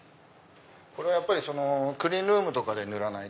これはクリーンルームとかで塗らないと。